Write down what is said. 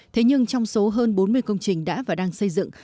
thế nhưng trong số hơn bốn mươi công trình đã và đang xây dựng